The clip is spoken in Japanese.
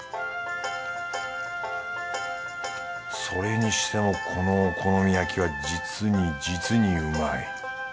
それにしてもこのお好み焼きは実に実にうまい。